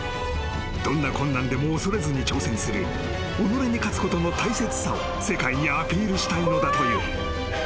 ［どんな困難でも恐れずに挑戦する己に勝つことの大切さを世界にアピールしたいのだという］